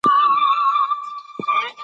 خ